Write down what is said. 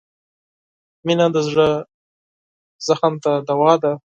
• مینه د زړه زخم ته دوا ده.